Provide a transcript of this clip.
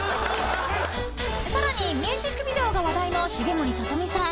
［さらにミュージックビデオが話題の重盛さと美さん］